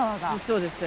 そうです。